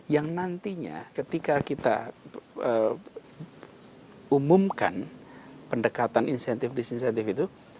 yang nantinya ketika kita umumkan pendekatan insentif disinsentif itu